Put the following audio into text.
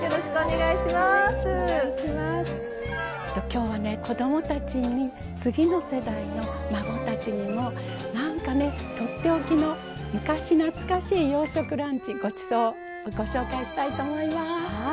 今日は、子どもたちに次の世代の孫たちにもなんかねとっておきの昔懐かしい洋食ランチ、ごちそうご紹介したいと思います。